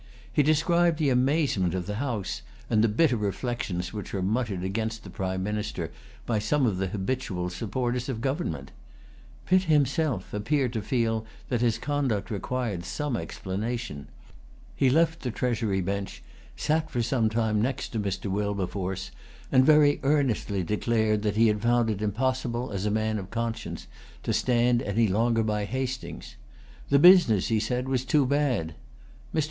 He described the amazement of the House, and the bitter reflections which were muttered against the Prime Minister by some of the habitual supporters of government. Pitt himself appeared to feel that his conduct required some explanation. He left the treasury bench, sat for some time next to Mr. Wilberforce, and very earnestly declared that he had found it impossible, as a man of conscience, to stand any longer by Hastings. The business, he said, was too bad. Mr.